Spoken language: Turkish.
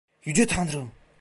Yüce Tanrım!